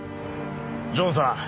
ジョンさん